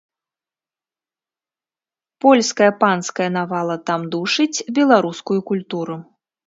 Польская панская навала там душыць беларускую культуру.